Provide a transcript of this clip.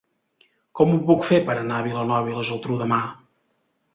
Com ho puc fer per anar a Vilanova i la Geltrú demà?